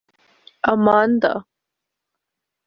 Amanda